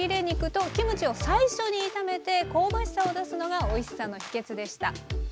肉とキムチを最初に炒めて香ばしさを出すのがおいしさの秘けつでした。